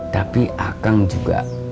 tapi akang juga